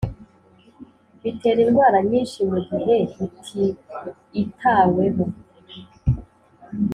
bitera indwara nyinshi mu gihe bitiitaweho